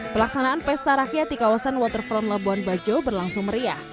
pelaksanaan pesta rakyat di kawasan waterfront labuan bajo berlangsung meriah